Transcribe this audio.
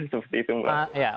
seperti itu mbak